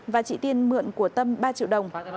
và chị tiên mượn của tâm ba triệu đồng